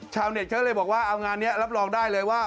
ชาวเน็ตเขาเลยบอกว่าเอางานนี้รับรองได้เลยว่า